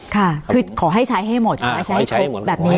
คือขอให้ใช้ให้หมดขอให้ใช้ให้ครบแบบนี้ใช่ไหมครับ